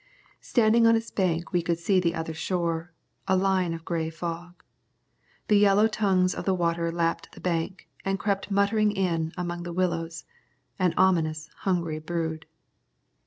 Standing on its bank we could see the other shore, a line of grey fog. The yellow tongues of the water lapped the bank, and crept muttering in among the willows, an ominous, hungry brood.